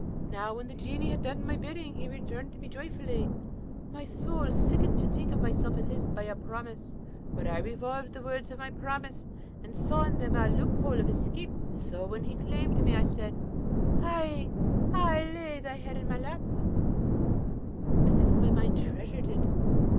Now, when the Genie had done my bidding, he returned to me joyfully. My soul sickened to think myself his by a promise; but I revolved the words of my promise, and saw in them a loophole of escape. So, when he claimed me, I said, 'Ay! ay! lay thy head in my lap,' as if my mind treasured it.